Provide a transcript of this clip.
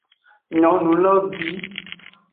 Nyonu lo bi.